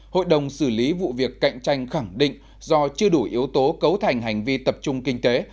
hội đồng xử lý vụ việc cạnh tranh khẳng định do chưa đủ yếu tố cấu thành hành vi tập trung kinh tế